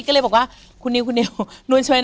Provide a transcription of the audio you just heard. ก็เลยบอกว่าคุณนิวคุณนิว